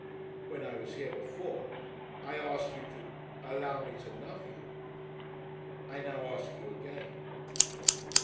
When I was here before I asked you to allow me to love you. I now ask you again."